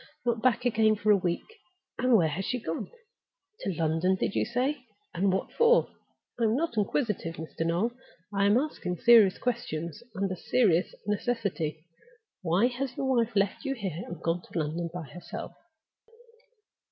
Not back again for a week! And where has she gone? To London, did you say? And what for?—I am not inquisitive, Mr. Noel; I am asking serious questions, under serious necessity. Why has your wife left you here, and gone to London by herself?"